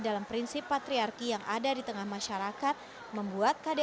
dalam prinsip patriarki yang ada di tengah masyarakat membuat kdrt rawan terjadi